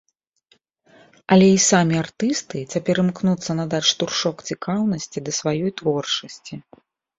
Але і самі артысты цяпер імкнуцца надаць штуршок цікаўнасці да сваёй творчасці.